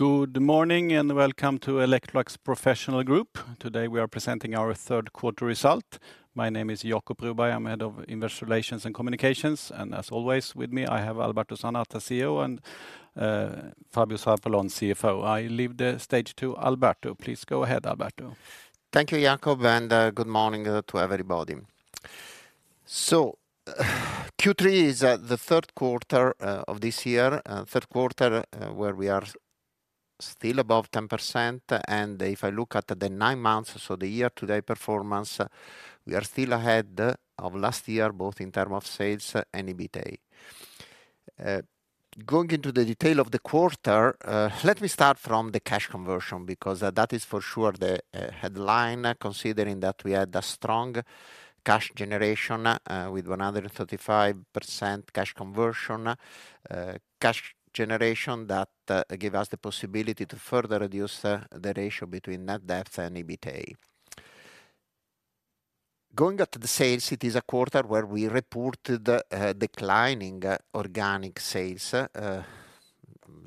Good morning, and welcome to Electrolux Professional Group. Today, we are presenting our third quarter result. My name is Jacob Broberg, I'm head of Investor Relations and Communications, and as always, with me, I have Alberto Zanata, CEO, and Fabio Zarpellon, CFO. I leave the stage to Alberto. Please go ahead, Alberto. Thank you, Jacob, and good morning to everybody. So, Q3 is the third quarter of this year, third quarter, where we are still above 10%. And if I look at the nine months, so the year-to-date performance, we are still ahead of last year, both in term of sales and EBITDA. Going into the detail of the quarter, let me start from the cash conversion, because that is for sure the headline, considering that we had a strong cash generation with 135% cash conversion. Cash generation that give us the possibility to further reduce the ratio between net debt and EBITDA. Going at the sales, it is a quarter where we reported a declining organic sales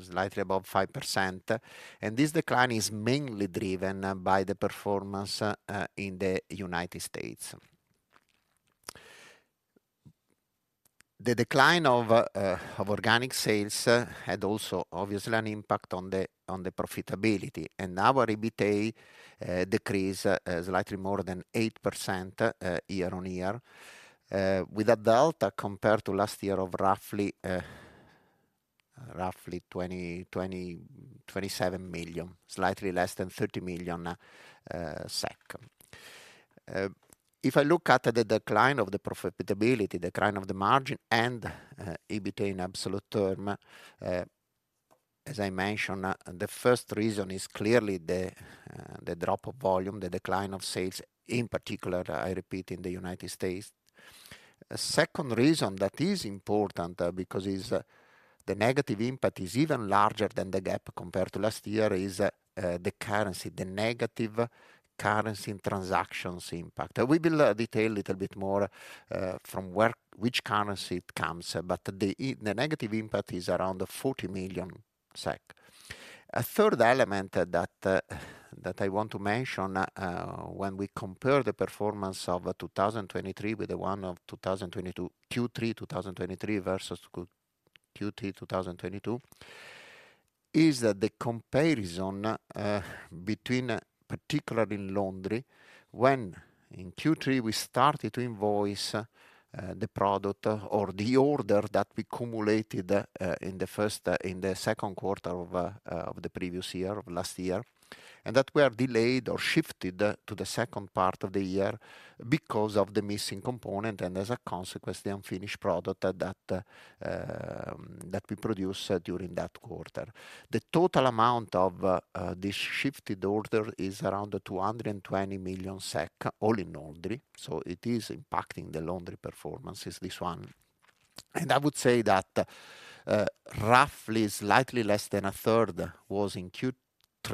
slightly above 5%, and this decline is mainly driven by the performance in the United States. The decline of organic sales had also obviously an impact on the profitability, and our EBITDA decreased slightly more than 8% year-on-year. With a delta compared to last year of roughly 27 million, slightly less than 30 million SEK. If I look at the decline of the profitability, decline of the margin and EBITDA in absolute term, as I mentioned, the first reason is clearly the drop of volume, the decline of sales, in particular, I repeat, in the United States. A second reason that is important, because the negative impact is even larger than the gap compared to last year, is the currency, the negative currency and transactions impact. We will detail a little bit more from which currency it comes, but the negative impact is around 40 million SEK. A third element that I want to mention, when we compare the performance of 2023 with the one of 2022, Q3 2023 versus Q3 2022, is that the comparison, between, particularly in Laundry, when in Q3 we started to invoice, the product or the order that we cumulated, in the second quarter of the previous year, of last year, and that were delayed or shifted to the second part of the year because of the missing component, and as a consequence, the unfinished product that we produced during that quarter. The total amount of this shifted order is around 220 million SEK, all in Laundry, so it is impacting the Laundry performance, is this one. I would say that, roughly, slightly less than a third was in Q3,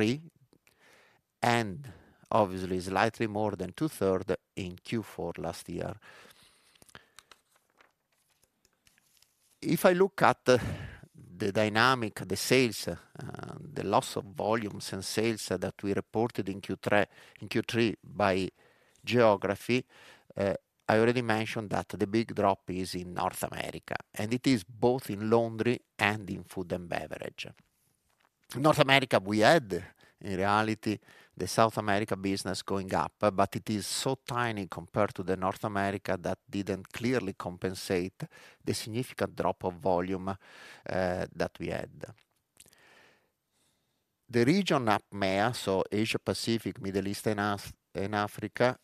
and obviously, slightly more than two-thirds in Q4 last year. If I look at the, the dynamic, the sales, the loss of volumes and sales that we reported in Q3, in Q3 by geography, I already mentioned that the big drop is in North America, and it is both in Laundry and in Food & Beverage. North America, we had, in reality, the South America business going up, but it is so tiny compared to the North America, that didn't clearly compensate the significant drop of volume, that we had. The region APMEA, so Asia Pacific, Middle East, and Africa,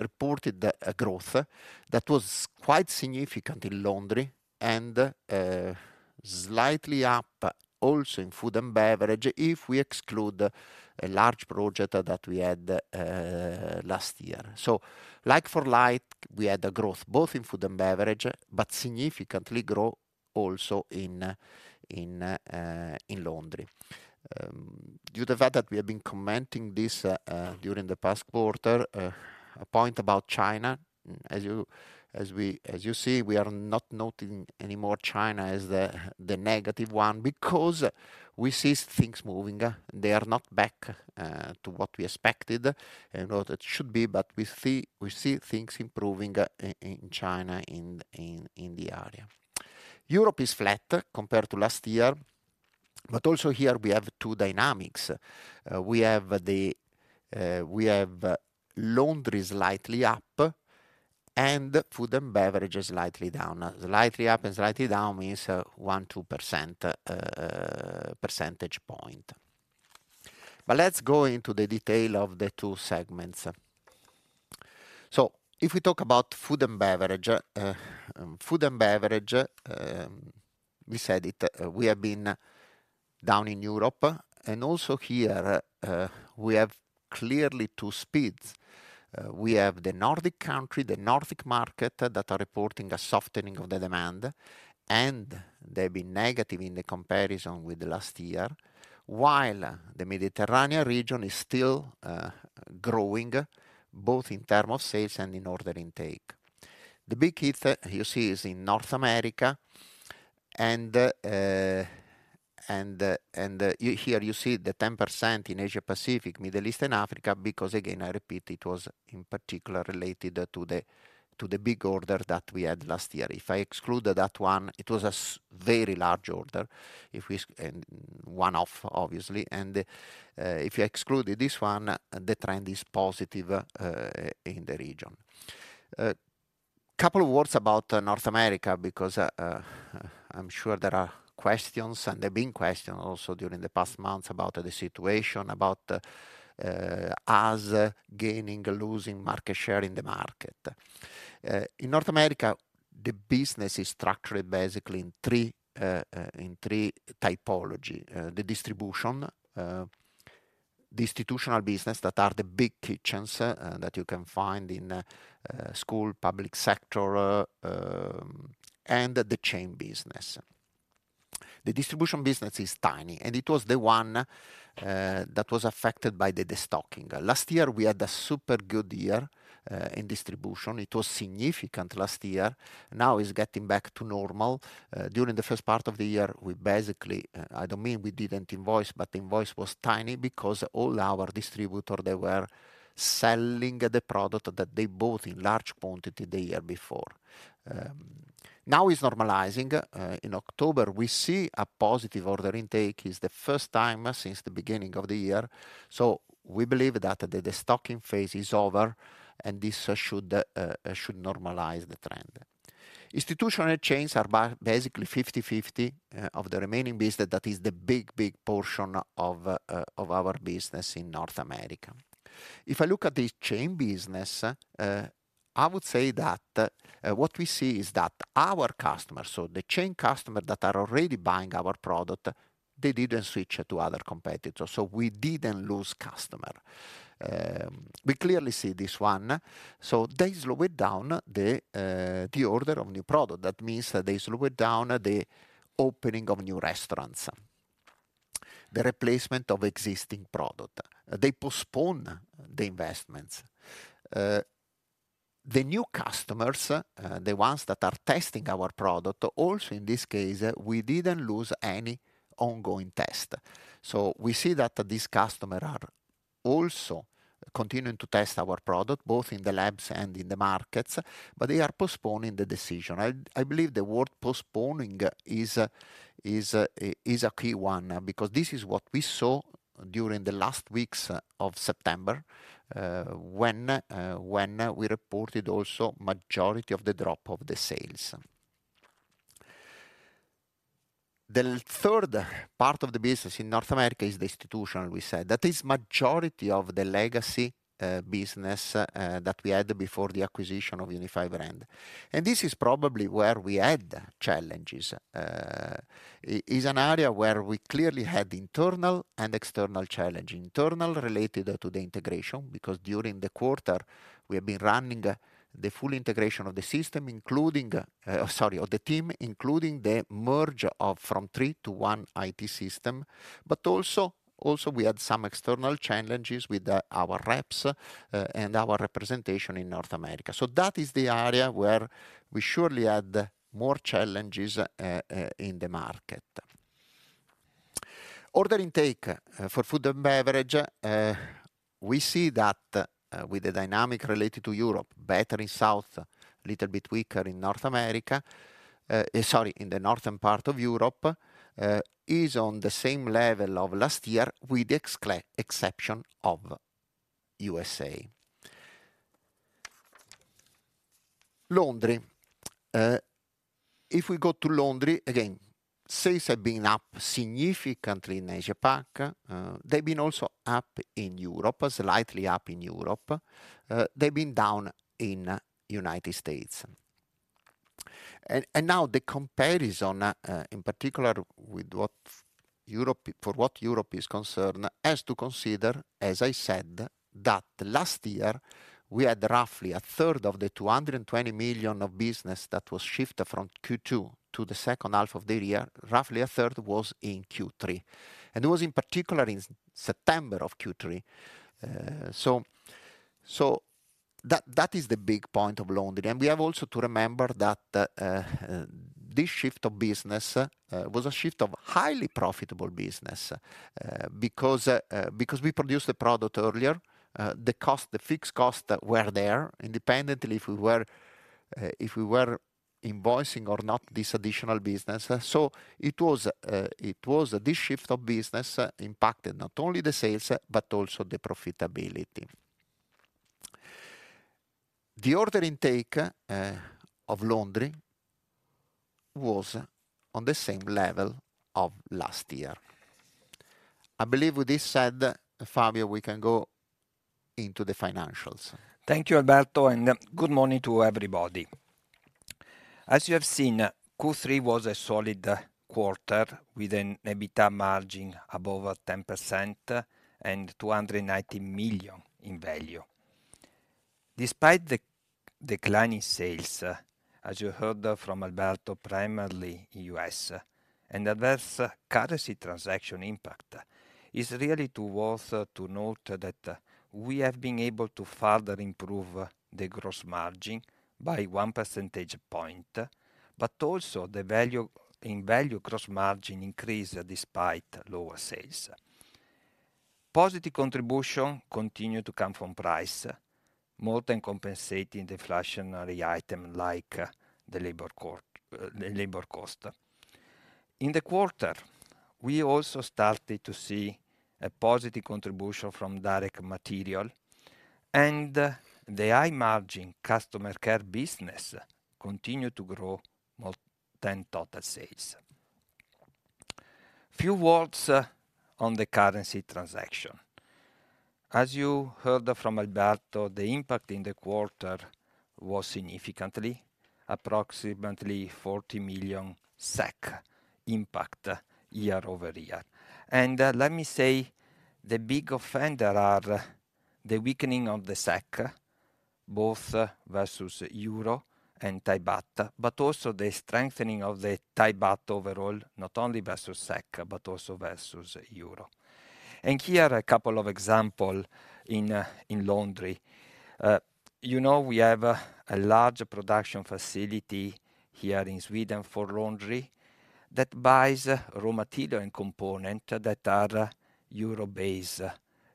reported a growth that was quite significant in Laundry and, slightly up also in Food and Beverage, if we exclude a large project that we had, last year. So like for like, we had a growth both in Food and Beverage, but significantly growth also in Laundry. Due to the fact that we have been commenting this, during the past quarter, a point about China, as you see, we are not noting any more China as the negative one because we see things moving. They are not back, to what we expected and what it should be, but we see things improving, in China, in the area. Europe is flat compared to last year, but also here we have two dynamics. We have the Laundry slightly up and Food & Beverage is slightly down. Slightly up and slightly down means 1-2 percentage points. Let's go into the detail of the two segments. If we talk about Food & Beverage, Food & Beverage, we said it, we have been down in Europe, and also here, we have clearly two speeds. We have the Nordic country, the Nordic market, that are reporting a softening of the demand, and they've been negative in the comparison with last year, while the Mediterranean region is still growing, both in terms of sales and in order intake. The big hit, you see, is in North America, and here you see the 10% in Asia Pacific, Middle East, and Africa, because again, I repeat, it was in particular related to the big order that we had last year. If I exclude that one, it was a very large order, and one-off, obviously, and if you exclude this one, the trend is positive in the region. A couple of words about North America, because I'm sure there are questions, and there have been questions also during the past months about the situation, about us gaining or losing market share in the market. In North America, the business is structured basically in three typology: the distribution, the institutional business, that are the big kitchens, that you can find in school, public sector, and the chain business. The distribution business is tiny, and it was the one that was affected by the destocking. Last year, we had a super good year in distribution. It was significant last year. Now it's getting back to normal. During the first part of the year, we basically, I don't mean we didn't invoice, but the invoice was tiny because all our distributor, they were selling the product that they bought in large quantity the year before. Now it's normalizing. In October, we see a positive order intake. It's the first time since the beginning of the year, so we believe that the destocking phase is over, and this should, should normalize the trend. Institutional chains are basically 50/50, of the remaining business. That is the big, big portion of, of our business in North America. If I look at the chain business, I would say that, what we see is that our customers, so the chain customer that are already buying our product, they didn't switch to other competitors, so we didn't lose customer. We clearly see this one, so they slowed down the, the order of new product. That means that they slowed down the opening of new restaurants, the replacement of existing product. They postpone the investments. The new customers, the ones that are testing our product, also in this case, we didn't lose any ongoing test. So we see that these customers are also continuing to test our product, both in the labs and in the markets, but they are postponing the decision. I believe the word postponing is a key one, because this is what we saw during the last weeks of September, when we reported also majority of the drop of the sales. The third part of the business in North America is the institutional, we said. That is majority of the legacy business that we had before the acquisition of Unified Brands. And this is probably where we had challenges. It is an area where we clearly had internal and external challenge. Internal, related to the integration, because during the quarter, we have been running the full integration of the system, including, sorry, of the team, including the merge from 3 to 1 IT system. But also, we had some external challenges with our reps and our representation in North America. So that is the area where we surely had more challenges in the market. Order intake for food and beverage, we see that with the dynamic related to Europe, better in South, little bit weaker in North America, sorry, in the northern part of Europe, is on the same level of last year, with the exception of U.S.A.. Laundry. If we go to laundry, again, sales have been up significantly in Asia Pac. They've been also up in Europe, slightly up in Europe. They've been down in United States. And now the comparison, in particular, with what Europe—for what Europe is concerned—has to consider, as I said, that last year, we had roughly a third of the 220 million of business that was shifted from Q2 to the second half of the year. Roughly a third was in Q3, and it was in particular in September of Q3. So that is the big point of laundry. And we have also to remember that this shift of business was a shift of highly profitable business. Because we produced the product earlier, the fixed costs were there, independently if we were invoicing or not, this additional business. So it was, it was this shift of business impacted not only the sales, but also the profitability. The order intake, of Laundry was on the same level of last year. I believe with this said, Fabio, we can go into the financials. Thank you, Alberto, and good morning to everybody. As you have seen, Q3 was a solid quarter, with an EBITDA margin above 10% and 290 million in value. Despite the decline in sales, as you heard from Alberto, primarily in U.S. and adverse currency translation impact, it is really worth noting that we have been able to further improve the gross margin by one percentage point, but also the value-added gross margin increase despite lower sales. Positive contribution continue to come from price, more than compensating the inflationary items like the labor cost, the labor cost. In the quarter, we also started to see a positive contribution from direct material, and the high-margin customer care business continue to grow more than total sales. A few words on the currency translation. As you heard from Alberto, the impact in the quarter was significantly approximately SEK 40 million impact year-over-year. Let me say, the big offender are the weakening of the SEK, both versus the euro and Thai baht, but also the strengthening of the Thai baht overall, not only versus SEK, but also versus the euro. Here are a couple of examples in Laundry. You know, we have a large production facility here in Sweden for Laundry that buys raw material and components that are euro-based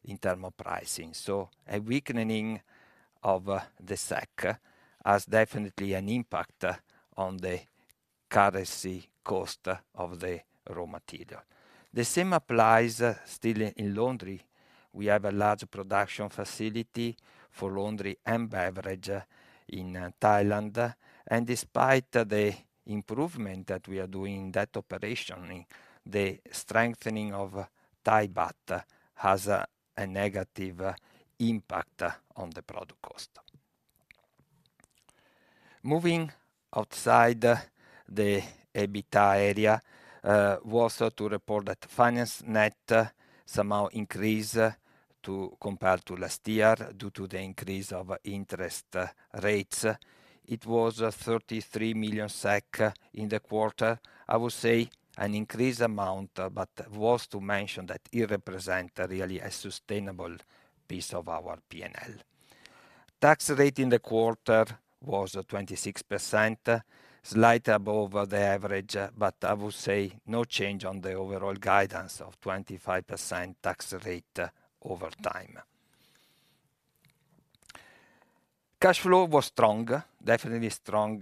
in terms of pricing. So a weakening of the SEK has definitely an impact on the currency cost of the raw material. The same applies still in Laundry. We have a large production facility for Laundry and Beverage in Thailand, and despite the improvement that we are doing in that operation, the strengthening of Thai baht has a negative impact on the product cost. Moving outside the EBITDA area, was to report that finance net somehow increased compared to last year, due to the increase of interest rates. It was 33 million SEK in the quarter. I would say an increased amount, but it was to mention that it represent really a sustainable piece of our P&L. Tax rate in the quarter was 26%, slightly above the average, but I would say no change on the overall guidance of 25% tax rate over time. Cash flow was strong, definitely strong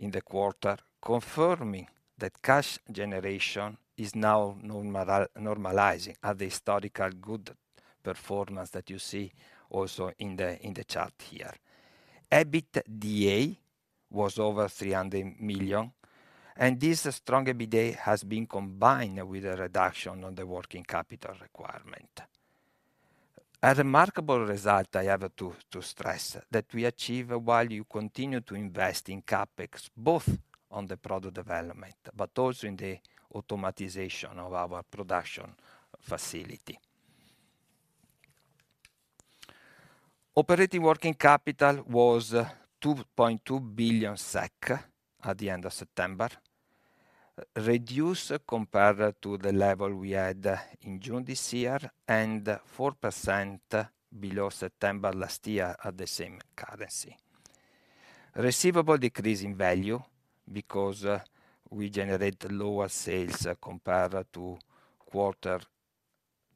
in the quarter, confirming that cash generation is now normalizing at the historical good performance that you see also in the chart here. EBITDA was over 300 million, and this strong EBITDA has been combined with a reduction on the working capital requirement. A remarkable result I have to stress, that we achieve while you continue to invest in CapEx, both on the product development, but also in the automatization of our production facility. Operating working capital was 2.2 billion SEK at the end of September, reduced compared to the level we had in June this year, and 4% below September last year at the same currency. Receivable decrease in value because we generate lower sales compared to quarter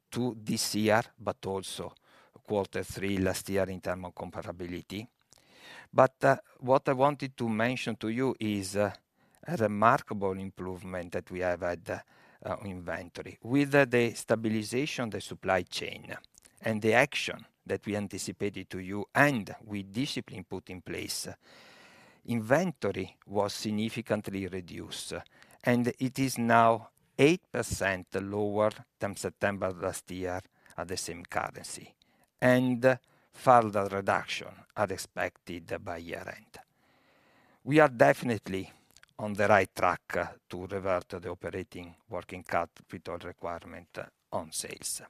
two this year, but also quarter three last year in term of comparability. But, what I wanted to mention to you is a remarkable improvement that we have had, inventory. With the stabilization of the supply chain and the action that we anticipated to you and with discipline put in place, inventory was significantly reduced, and it is now 8% lower than September last year at the same currency, and further reduction are expected by year-end. We are definitely on the right track, to revert the operating working capital requirement on sales.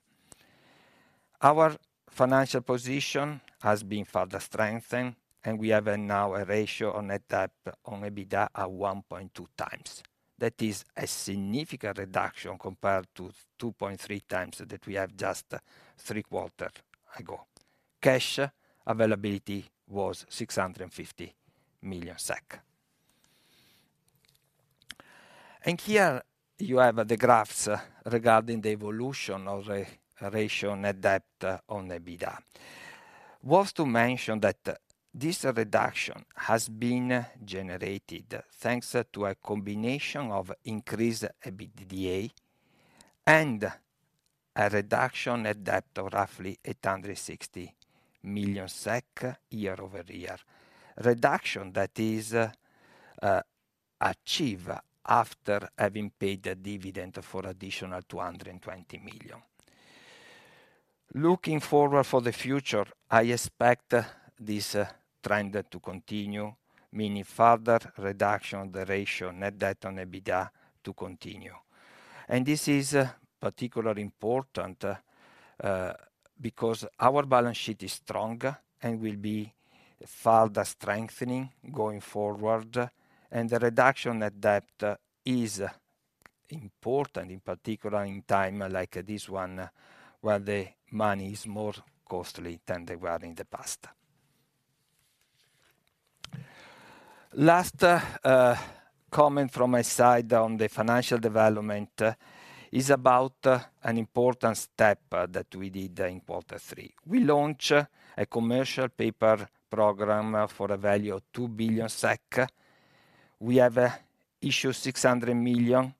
Our financial position has been further strengthened, and we have now a ratio on net debt on EBITDA at 1.2 times. That is a significant reduction compared to 2.3 times that we have just three quarters ago. Cash availability was SEK 650 million. And here you have the graphs regarding the evolution of the ratio net debt on EBITDA. Worth to mention that this reduction has been generated thanks to a combination of increased EBITDA and a reduction net debt of roughly 860 million SEK year-over-year. Reduction that is, achieved after having paid a dividend for additional 220 million. Looking forward for the future, I expect this trend to continue, meaning further reduction of the ratio net debt on EBITDA to continue. This is particularly important because our balance sheet is strong, and will be further strengthening going forward, and the reduction at debt is important, in particular, in time like this one, where the money is more costly than they were in the past. Last comment from my side on the financial development is about an important step that we did in quarter three. We launched a commercial paper program for a value of 2 billion SEK. We have issued 600 million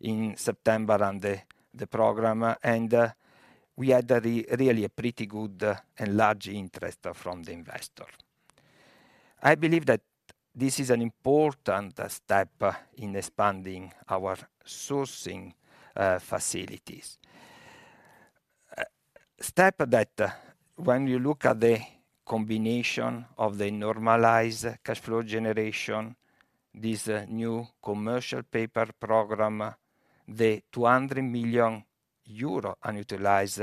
in September on the program, and we had really a pretty good and large interest from the investor. I believe that this is an important step in expanding our sourcing facilities. A step that, when you look at the combination of the normalized cash flow generation, this new commercial paper program, the 200 million euro unutilized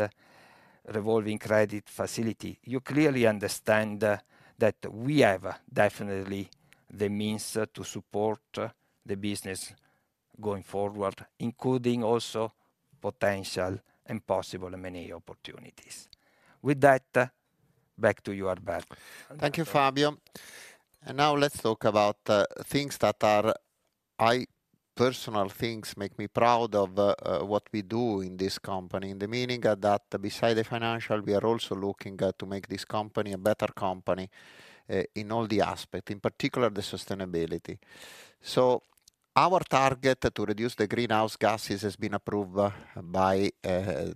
revolving credit facility, you clearly understand that we have definitely the means to support the business going forward, including also potential and possible many opportunities. With that, back to you, Alberto. Thank you, Fabio. Now let's talk about things that are... I, personal things make me proud of what we do in this company, in the meaning that beside the financial, we are also looking to make this company a better company in all the aspects, in particular, the sustainability. Our target to reduce the greenhouse gases has been approved by the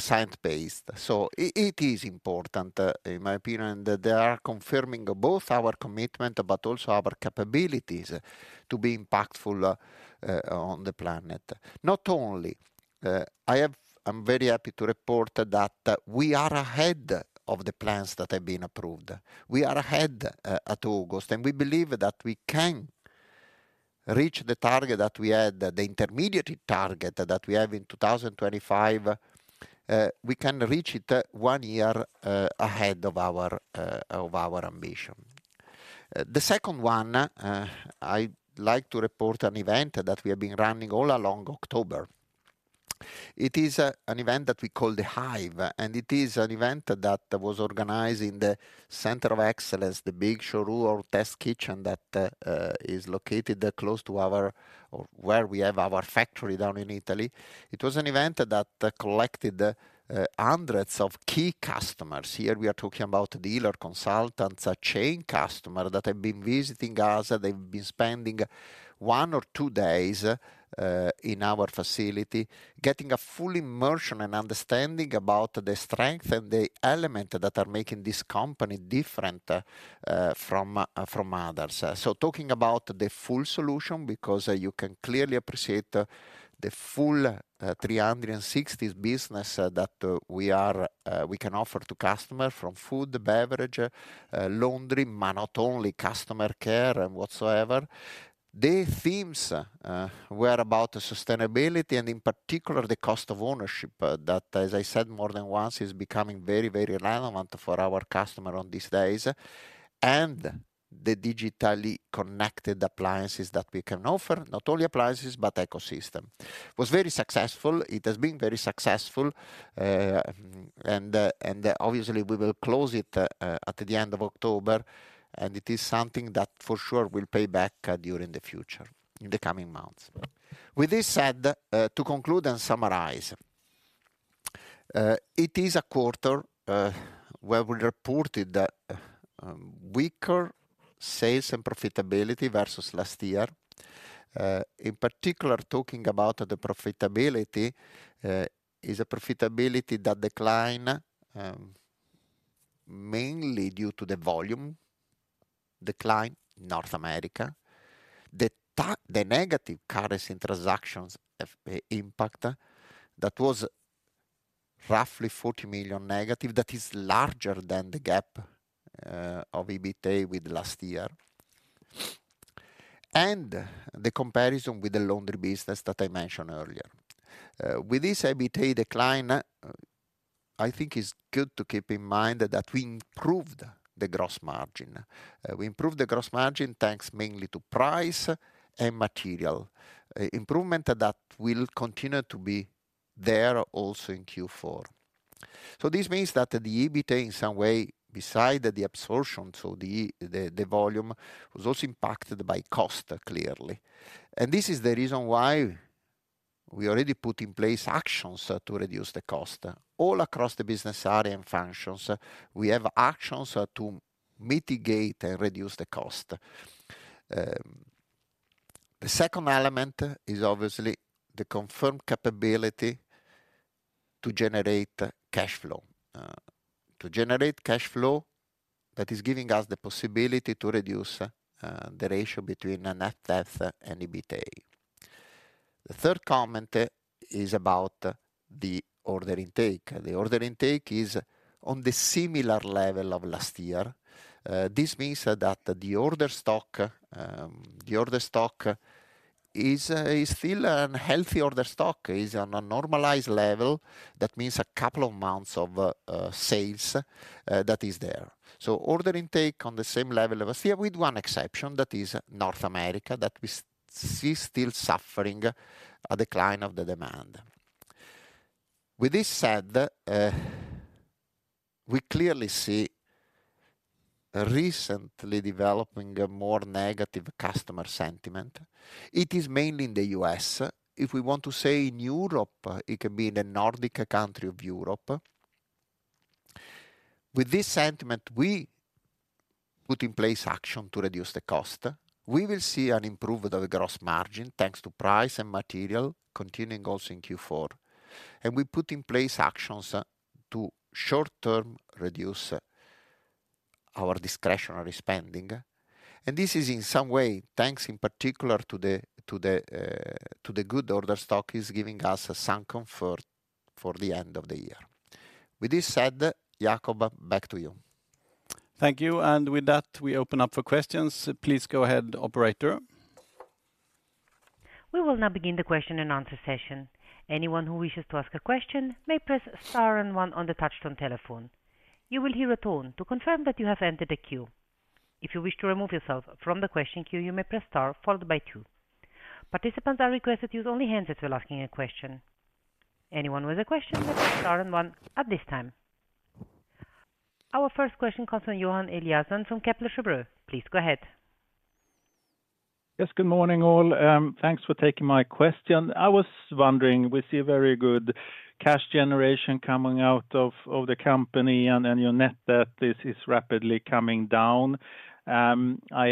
Science Based Targets initiative. It is important, in my opinion, that they are confirming both our commitment, but also our capabilities to be impactful on the planet. Not only, I have-- I'm very happy to report that we are ahead of the plans that have been approved. We are ahead at August, and we believe that we can reach the target that we had, the intermediate target that we have in 2025, we can reach it one year ahead of our ambition. The second one, I'd like to report an event that we have been running all along October. It is an event that we call The Hive, and it is an event that was organized in the Center of Excellence, the big showroom or test kitchen that is located close to our factory down in Italy. It was an event that collected hundreds of key customers. Here, we are talking about dealer consultants, chain customer, that have been visiting us. They've been spending one or two days in our facility, getting a full immersion and understanding about the strength and the element that are making this company different from others. So talking about the full solution, because you can clearly appreciate the full 360 business that we can offer to customers, from food, beverage, laundry, but not only customer care and whatsoever. The themes were about sustainability, and in particular, the cost of ownership that, as I said, more than once, is becoming very, very relevant for our customer on these days, and the digitally connected appliances that we can offer, not only appliances, but ecosystem. It was very successful. It has been very successful, and obviously, we will close it at the end of October, and it is something that for sure will pay back during the future, in the coming months. With this said, to conclude and summarize, it is a quarter where we reported weaker sales and profitability versus last year. In particular, talking about the profitability, is a profitability that decline mainly due to the volume decline in North America. The negative currency transactions have impact, that was roughly 40 million negative, that is larger than the gap of EBITDA with last year, and the comparison with the laundry business that I mentioned earlier. With this EBITDA decline, I think it's good to keep in mind that we improved the gross margin. We improved the gross margin, thanks mainly to price and material improvement that will continue to be there also in Q4. So this means that the EBITDA, in some way, besides the absorption, the volume, was also impacted by cost, clearly. And this is the reason why we already put in place actions to reduce the cost. All across the business area and functions, we have actions to mitigate and reduce the cost. The second element is obviously the confirmed capability to generate cash flow. To generate cash flow that is giving us the possibility to reduce the ratio between net debt and EBITDA. The third comment is about the order intake. The order intake is on the similar level of last year. This means that the order stock, the order stock is still a healthy order stock, is on a normalized level. That means a couple of months of sales that is there. So order intake on the same level of last year, with one exception, that is North America, that we see still suffering a decline of the demand. With this said, we clearly see recently developing a more negative customer sentiment. It is mainly in the U.S.. If we want to say in Europe, it can be in the Nordic country of Europe. With this sentiment, we put in place action to reduce the cost. We will see an improvement of the gross margin, thanks to price and material, continuing also in Q4, and we put in place actions to short-term reduce our discretionary spending, and this is in some way, thanks in particular to the good order stock, is giving us some comfort for the end of the year. With this said, Jacob, back to you. Thank you, and with that, we open up for questions. Please go ahead, operator. We will now begin the question and answer session. Anyone who wishes to ask a question may press star and one on the touchtone telephone. You will hear a tone to confirm that you have entered the queue. If you wish to remove yourself from the question queue, you may press star followed by two. Participants are requested to use only handsets if you're asking a question. Anyone with a question, press star and one at this time. Our first question comes from Johan Eliasson from Kepler Cheuvreux. Please go ahead. Yes, good morning, all. Thanks for taking my question. I was wondering, we see a very good cash generation coming out of, of the company, and then your net debt, this is rapidly coming down. I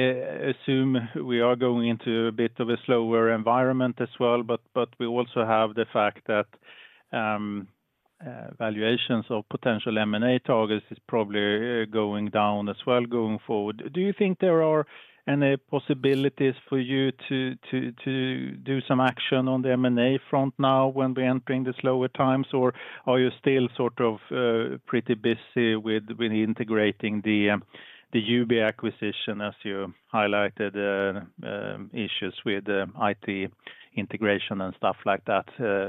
assume we are going into a bit of a slower environment as well, but, but we also have the fact that, valuations of potential M&A targets is probably, going down as well, going forward. Do you think there are any possibilities for you to, to, to do some action on the M&A front now when we entering the slower times? Or are you still sort of pretty busy with integrating the UB acquisition, as you highlighted, issues with IT integration and stuff like that,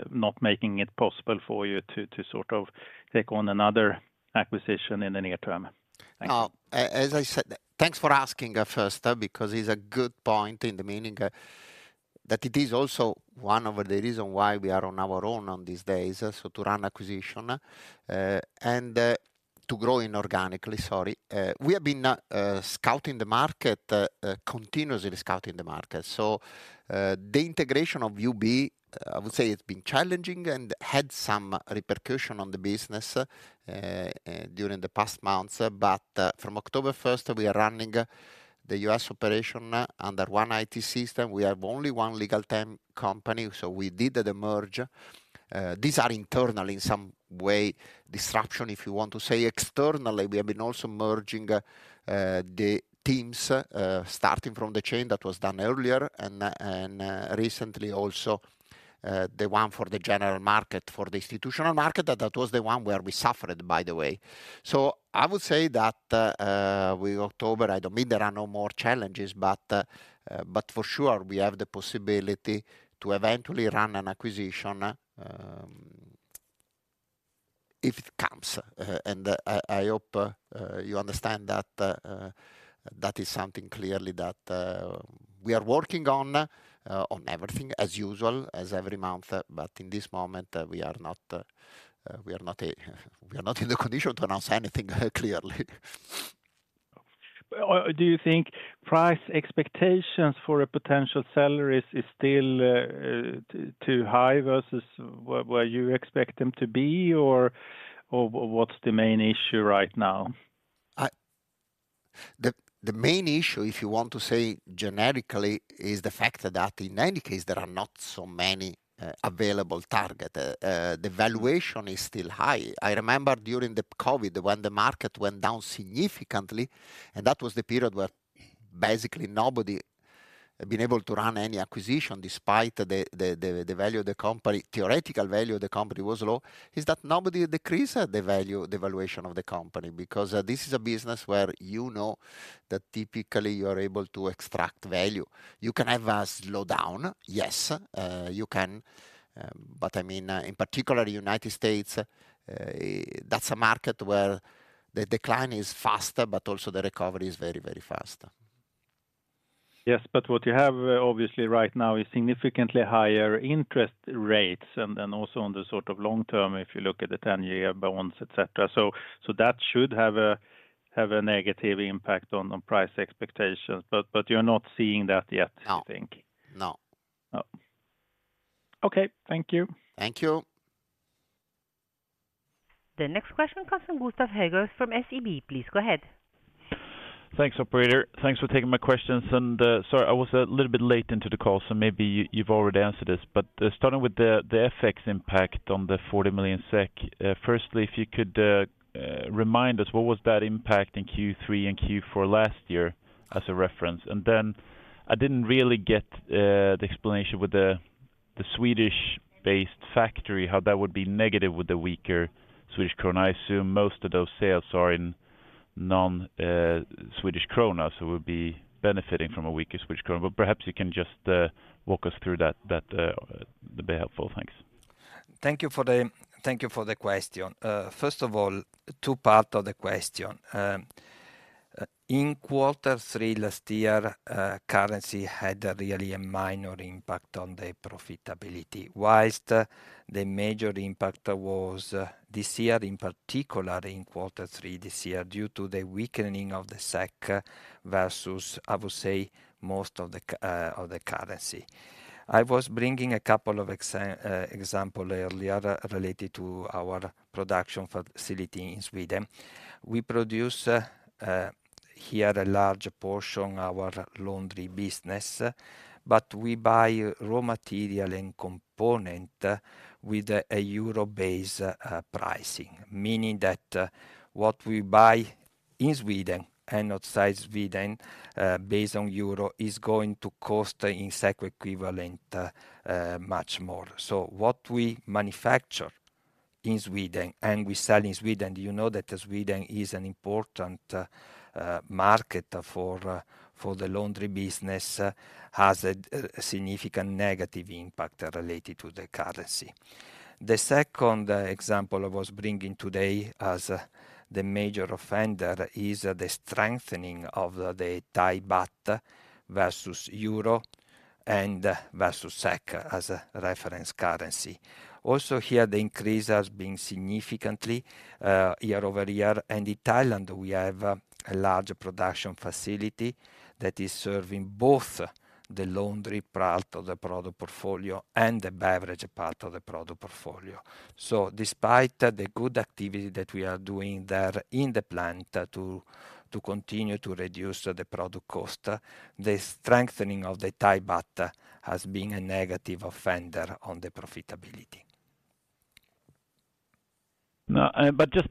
not making it possible for you to sort of take on another acquisition in the near term? Thank you. As I said, thanks for asking, first, because it's a good point in the meaning, that it is also one of the reason why we are on our own on these days, so to run acquisition, and, to grow inorganically, sorry. We have been, scouting the market, continuously scouting the market. So, the integration of UB, I would say it's been challenging and had some repercussion on the business, during the past months, but, from October first, we are running the U.S. operation under one IT system. We have only one legal term company, so we did the merge. These are internal, in some way, disruption, if you want to say. Externally, we have been also merging the teams, starting from the chain that was done earlier and recently also the one for the general market, for the institutional market, that was the one where we suffered, by the way. So I would say that with October, I don't mean there are no more challenges, but for sure, we have the possibility to eventually run an acquisition, if it comes. And I hope you understand that that is something clearly that we are working on, on everything as usual, as every month, but in this moment, we are not in the condition to announce anything, clearly. But, do you think price expectations for a potential sellers is still too high versus where you expect them to be, or what's the main issue right now? The main issue, if you want to say generically, is the fact that in any case, there are not so many available target. The valuation is still high. I remember during the COVID, when the market went down significantly, and that was the period where basically nobody had been able to run any acquisition, despite the value of the company, theoretical value of the company was low, is that nobody decreased the value, the valuation of the company. Because this is a business where you know that typically you are able to extract value. You can have a slowdown, yes, you can, but I mean, in particular, United States, that's a market where the decline is faster, but also the recovery is very, very fast. Yes, but what you have, obviously right now is significantly higher interest rates and also on the sort of long term, if you look at the 10-year bonds, et cetera. So that should have a negative impact on the price expectations, but you're not seeing that yet- No... you think? No. No. Okay, thank you. Thank you. The next question comes from Gustav Hageus from SEB. Please go ahead. Thanks, operator. Thanks for taking my questions, and sorry, I was a little bit late into the call, so maybe you, you've already answered this. But starting with the FX impact on the 40 million SEK. Firstly, if you could remind us, what was that impact in Q3 and Q4 last year as a reference? And then I didn't really get the explanation with the Swedish-based factory, how that would be negative with the weaker Swedish krona. I assume most of those sales are non Swedish krona, so we'll be benefiting from a weaker Swedish krona. But perhaps you can just walk us through that, that would be helpful. Thanks. Thank you for the question. First of all, two part of the question. In quarter three last year, currency had a really minor impact on the profitability, while the major impact was this year, in particular, in quarter three this year, due to the weakening of the SEK versus, I would say, most of the currencies. I was bringing a couple of examples earlier related to our production facility in Sweden. We produce here a large portion, our laundry business, but we buy raw material and component with a euro-based pricing. Meaning that what we buy in Sweden and outside Sweden based on euro is going to cost in SEK equivalent much more. So what we manufacture in Sweden, and we sell in Sweden, you know that Sweden is an important market for, for the laundry business, has a significant negative impact related to the currency. The second example I was bringing today as the major offender is the strengthening of the Thai baht versus euro and versus SEK as a reference currency. Also here, the increase has been significantly year-over-year, and in Thailand, we have a large production facility that is serving both the laundry part of the product portfolio and the beverage part of the product portfolio. So despite the good activity that we are doing there in the plant, to continue to reduce the product cost, the strengthening of the Thai baht has been a negative offender on the profitability. Now, but just,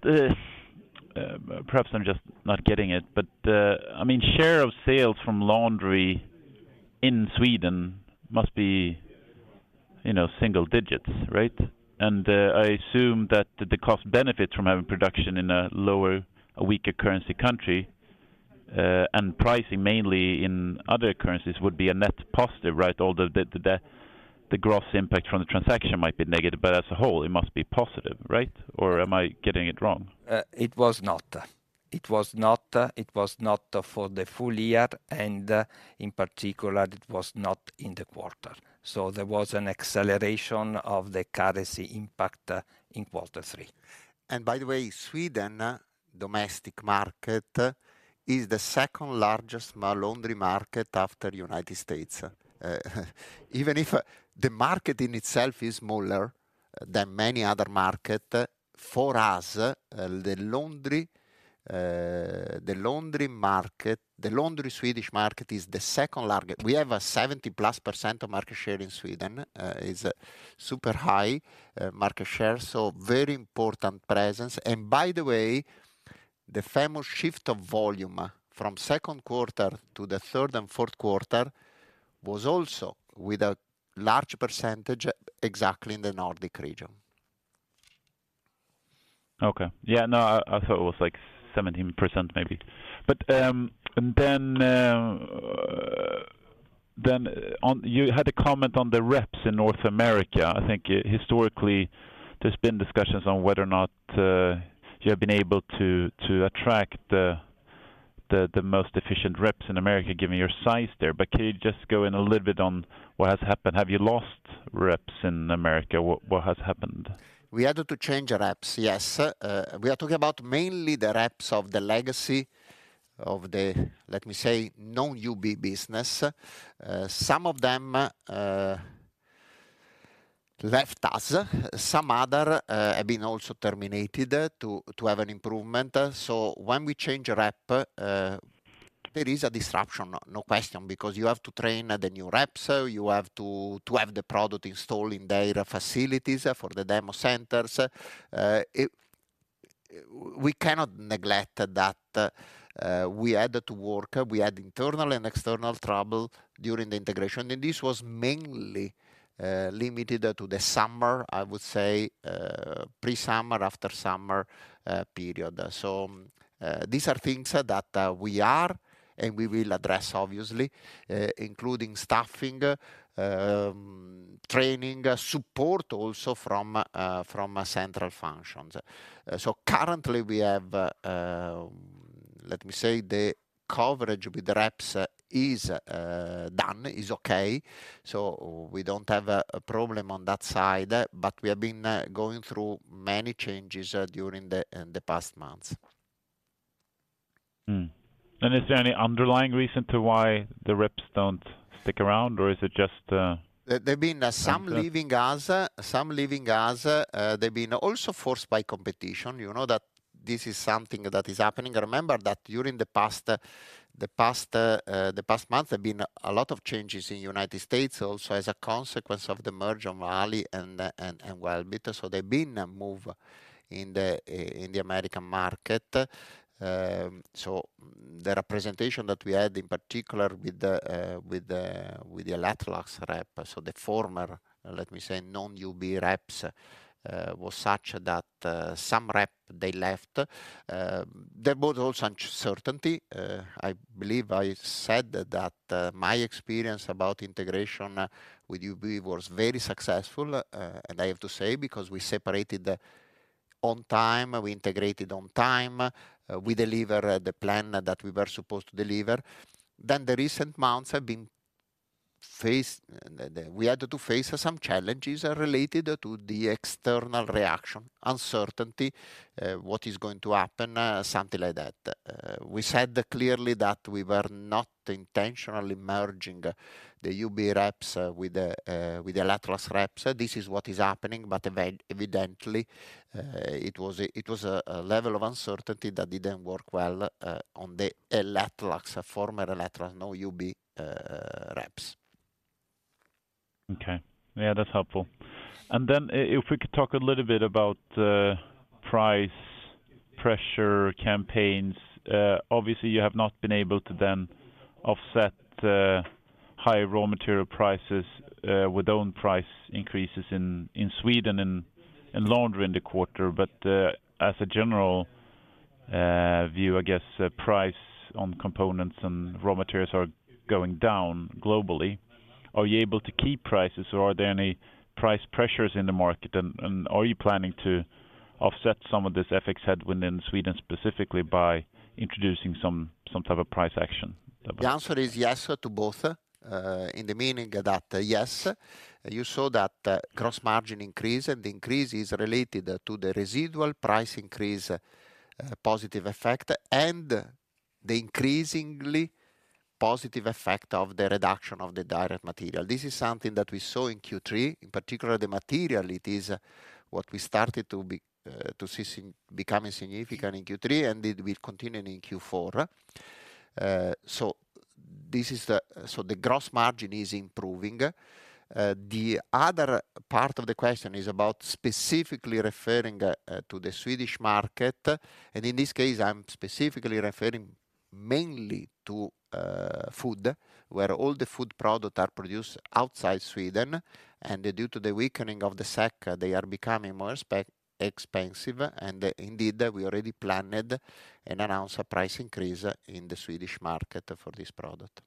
perhaps I'm just not getting it, but, I mean, share of sales from laundry in Sweden must be, you know, single digits, right? And, I assume that the cost benefits from having production in a weaker currency country, and pricing mainly in other currencies would be a net positive, right? Although the gross impact from the transaction might be negative, but as a whole, it must be positive, right? Or am I getting it wrong? It was not. It was not, it was not for the full year, and in particular, it was not in the quarter. So there was an acceleration of the currency impact in quarter three. And by the way, Sweden domestic market is the second largest laundry market after United States. Even if the market in itself is smaller than many other market, for us, the laundry, the laundry market, the laundry Swedish market is the second largest. We have a 70%+ market share in Sweden, is a super high market share, so very important presence. And by the way, the famous shift of volume from second quarter to the third and fourth quarter was also with a large percentage, exactly in the Nordic region. Okay. Yeah, no, I thought it was, like, 17% maybe. But, then you had a comment on the reps in North America. I think historically, there's been discussions on whether or not you have been able to attract the most efficient reps in America, given your size there. But can you just go in a little bit on what has happened? Have you lost reps in America? What has happened? We had to change the reps, yes. We are talking about mainly the reps of the legacy of the, let me say, non-UB business. Some of them left us, some other have been also terminated to have an improvement. So when we change a rep, there is a disruption, no question, because you have to train the new reps, you have to have the product installed in their facilities for the demo centers. It, we cannot neglect that, we had to work, we had internal and external trouble during the integration, and this was mainly limited to the summer, I would say, pre-summer, after summer period. So, these are things that we are, and we will address, obviously, including staffing, training, support also from from central functions. So currently we have, let me say, the coverage with the reps is done, is okay. So we don't have a problem on that side, but we have been going through many changes during the in the past months. Is there any underlying reason to why the reps don't stick around, or is it just? There've been some leaving us, some leaving us, they've been also forced by competition. You know that this is something that is happening. Remember that during the past month, there have been a lot of changes in United States, also as a consequence of the merger of Ali Group and Welbilt. So there have been a move in the American market, so- The representation that we had, in particular, with the Electrolux rep, so the former, let me say, non-UB reps, was such that some rep they left. There was also uncertainty. I believe I said that my experience about integration with UB was very successful, and I have to say, because we separated on time, we integrated on time, we deliver the plan that we were supposed to deliver. Then the recent months have been faced. We had to face some challenges related to the external reaction, uncertainty, what is going to happen, something like that. We said clearly that we were not intentionally merging the UB reps with the Electrolux reps. This is what is happening, but evidently, it was a level of uncertainty that didn't work well on the Electrolux, former Electrolux, now UB reps. Okay. Yeah, that's helpful. And then if we could talk a little bit about price pressure campaigns. Obviously you have not been able to then offset high raw material prices with own price increases in Sweden and laundry in the quarter. But as a general view, I guess, price on components and raw materials are going down globally. Are you able to keep prices, or are there any price pressures in the market, and are you planning to offset some of this FX headwind in Sweden, specifically by introducing some type of price action about- The answer is yes to both, in the meaning that, yes, you saw that, gross margin increase, and the increase is related to the residual price increase, positive effect, and the increasingly positive effect of the reduction of the direct material. This is something that we saw in Q3, in particular, the material, it is what we started to see becoming significant in Q3, and it will continue in Q4. So this is the... So the gross margin is improving. The other part of the question is about specifically referring to the Swedish market, and in this case, I'm specifically referring mainly to food, where all the food product are produced outside Sweden, and due to the weakening of the SEK, they are becoming more expensive, and indeed, we already planned and announced a price increase in the Swedish market for this product.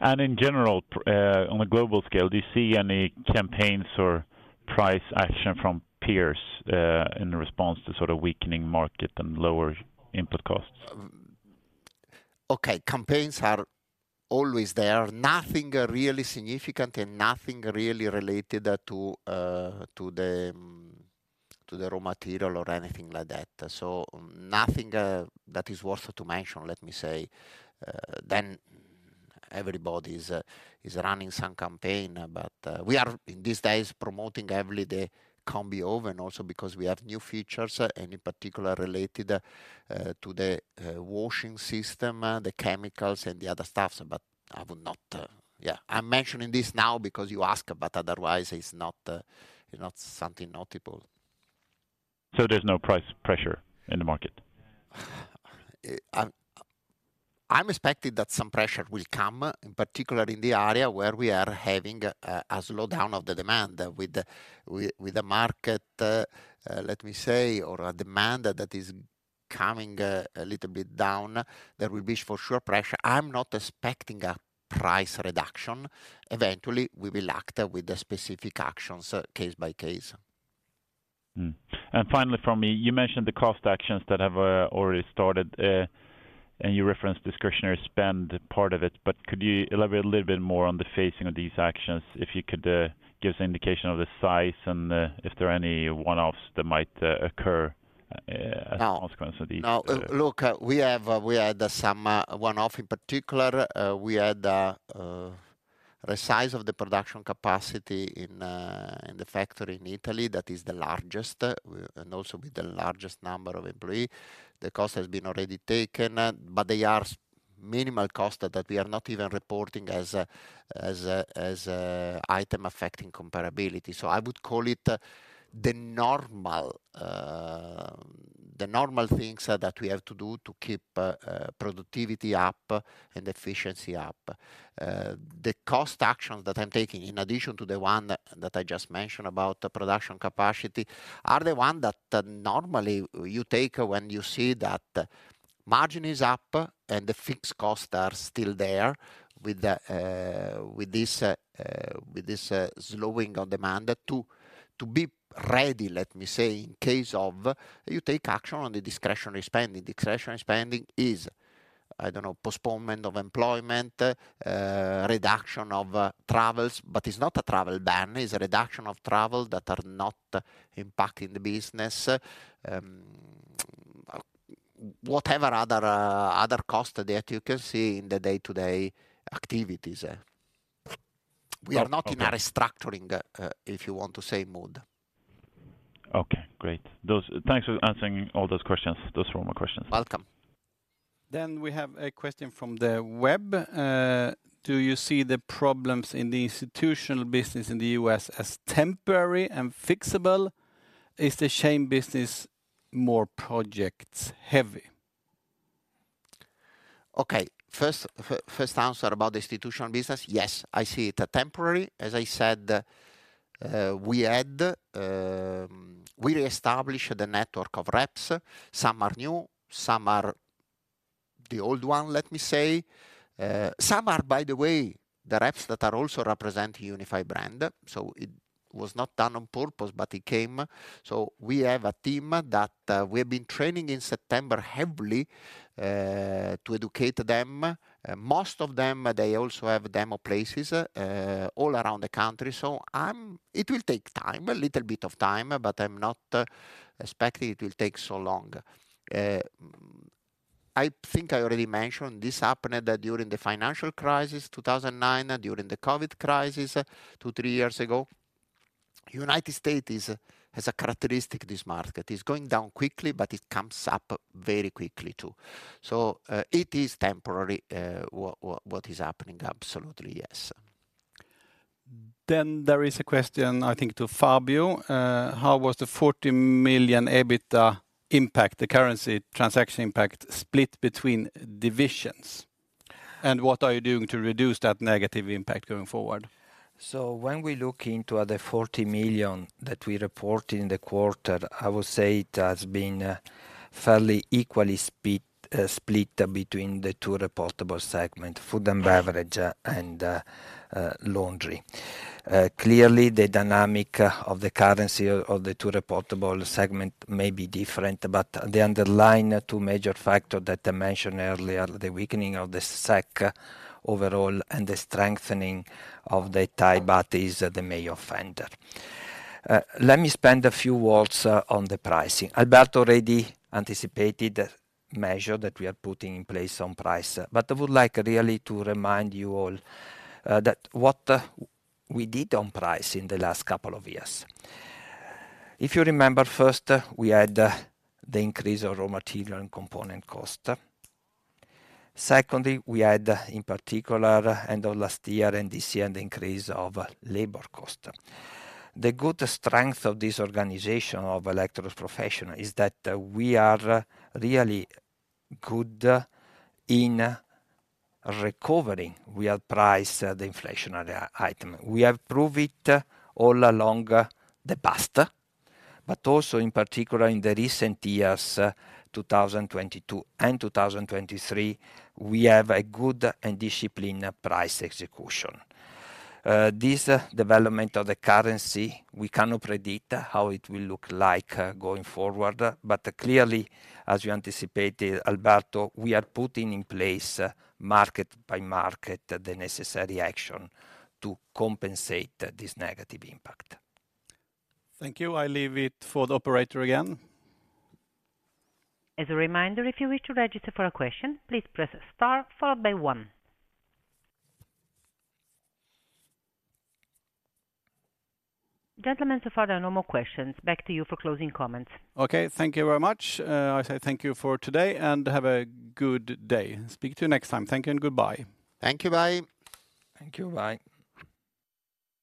And in general, on a global scale, do you see any campaigns or price action from peers, in response to sort of weakening market and lower input costs? Okay, campaigns are always there. Nothing really significant and nothing really related to the raw material or anything like that. So nothing that is worth to mention, let me say. Then everybody's running some campaign, but we are, in these days, promoting every day combi oven, also because we have new features and in particular related to the washing system, the chemicals and the other stuffs. But I would not... Yeah, I'm mentioning this now because you ask, but otherwise, it's not not something notable. There's no price pressure in the market? I'm expecting that some pressure will come, in particular in the area where we are having a slowdown of the demand. With the market, let me say, or a demand that is coming a little bit down, there will be for sure, pressure. I'm not expecting a price reduction. Eventually, we will act with the specific actions, case by case. Finally, from me, you mentioned the cost actions that have already started, and you referenced discretionary spend part of it, but could you elaborate a little bit more on the phasing of these actions? If you could, give us an indication of the size and, if there are any one-offs that might occur, as a consequence of these, Now, look, we have, we had some one-off. In particular, we had the size of the production capacity in the factory in Italy, that is the largest and also with the largest number of employee. The cost has been already taken, but they are minimal cost that we are not even reporting as a item affecting comparability. So I would call it the normal things that we have to do to keep productivity up and efficiency up. The cost actions that I'm taking, in addition to the one that I just mentioned about the production capacity, are the one that normally you take when you see that margin is up and the fixed costs are still there, with this slowing of demand, to be ready, let me say, in case of... You take action on the discretionary spending. Discretionary spending is, I don't know, postponement of employment, reduction of travels, but it's not a travel ban, it's a reduction of travel that are not impacting the business. Whatever other costs that you can see in the day-to-day activities. We are not- Okay... in a restructuring, if you want to say, mode. Okay, great. Thanks for answering all those questions, those formal questions. Welcome. We have a question from the web. Do you see the problems in the institutional business in the U.S. as temporary and fixable? Is the same business more projects heavy? Okay, first, first answer about institutional business, yes, I see it temporary. As I said, we had, we reestablish the network of reps. Some are new, some are the old one, let me say. Some are, by the way, the reps that are also representing Unified Brands, so it was not done on purpose, but it came. So we have a team that, we have been training in September heavily, to educate them. Most of them, they also have demo places, all around the country. So I'm it will take time, a little bit of time, but I'm not expecting it will take so long. I think I already mentioned, this happened during the financial crisis, 2009, during the COVID crisis, 2-3 years ago. United States is, has a characteristic, this market. It's going down quickly, but it comes up very quickly, too. So, it is temporary, what is happening, absolutely, yes. Then there is a question, I think, to Fabio. How was the 40 million EBITDA impact, the currency transaction impact, split between divisions? And what are you doing to reduce that negative impact going forward? So when we look into the 40 million that we reported in the quarter, I would say it has been fairly equally split between the two reportable segment, food and beverage and laundry. Clearly, the dynamic of the currency of the two reportable segment may be different, but the underlying two major factor that I mentioned earlier, the weakening of the SEK overall and the strengthening of the Thai baht is the main offender. Let me spend a few words on the pricing. Alberto already anticipated the measure that we are putting in place on price, but I would like really to remind you all that what we did on price in the last couple of years. If you remember, first, we had the increase of raw material and component cost. Secondly, we had, in particular, end of last year and this year, an increase of labor cost. The good strength of this organization of Electrolux Professional is that, we are really good in recovering. We have priced the inflationary item. We have proved it all along the past, but also in particular in the recent years, 2022 and 2023, we have a good and disciplined price execution. This development of the currency, we cannot predict how it will look like going forward, but clearly, as you anticipated, Alberto, we are putting in place, market by market, the necessary action to compensate this negative impact. Thank you. I leave it for the operator again. As a reminder, if you wish to register for a question, please press star followed by one. Gentlemen, so far there are no more questions. Back to you for closing comments. Okay, thank you very much. I say thank you for today, and have a good day. Speak to you next time. Thank you and goodbye. Thank you. Bye. Thank you. Bye.